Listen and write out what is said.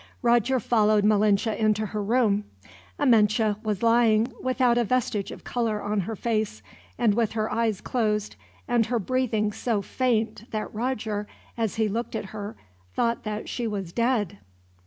Roger followed Malinche into her room. Amenche was lying, without a vestige of color on her face, and with her eyes closed and her breathing so faint that Roger, as he looked at her, thought that she was dead.